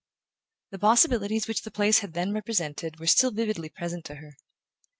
The possibilities which the place had then represented were still vividly present to her.